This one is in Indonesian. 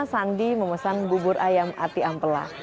sandi memesan bubur ayam ati ampela